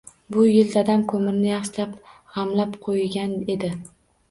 Bu yil dadam ko‘mirni yaxshilab g‘amlab qo‘ygan edi.